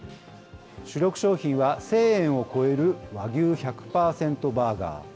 主力商品は、１０００円を超える和牛１００％バーガー。